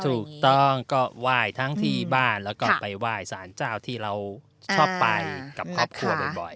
ถูกต้องก็ไหว้ทั้งที่บ้านแล้วก็ไปไหว้สารเจ้าที่เราชอบไปกับครอบครัวบ่อย